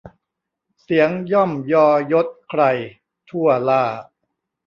เสียงย่อมยอยศใคร ทั่วหล้า